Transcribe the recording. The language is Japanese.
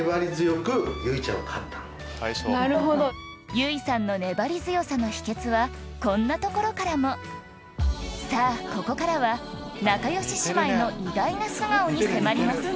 優衣さんの粘り強さの秘訣はこんなところからもさぁここからは仲よし姉妹の意外な素顔に迫ります